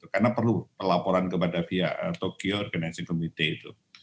karena perlu laporan kepada via tokyo organizing committee itu